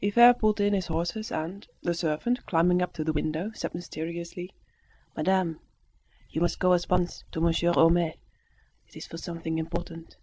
Hivert pulled in his horses and, the servant, climbing up to the window, said mysteriously "Madame, you must go at once to Monsieur Homais. It's for something important."